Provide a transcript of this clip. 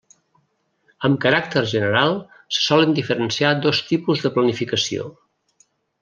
Amb caràcter general se solen diferenciar dos tipus de planificació.